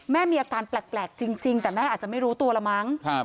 แม่มีอาการแปลกจริงแต่แม่อาจจะไม่รู้ตัวละมั้ง